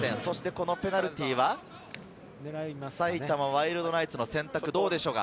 このペナルティーは、埼玉ワイルドナイツの選択はどうでしょうか？